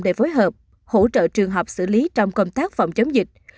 để phối hợp hỗ trợ trường hợp xử lý trong công tác phòng chống dịch